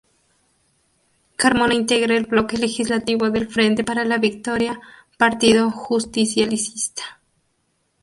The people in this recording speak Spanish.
Carmona integra el Bloque legislativo del Frente para la Victoria-Partido Justicialista.